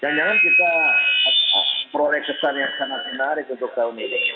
jangan jangan kita peroleh kesan yang sangat menarik untuk tahun ini